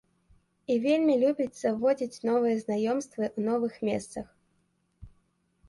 І вельмі любіць заводзіць новыя знаёмствы ў новых месцах.